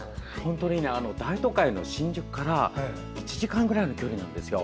大都会の新宿から１時間ぐらいの距離なんですよ。